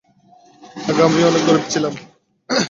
আগে, আমিও অনেক গরিব ছিলাম।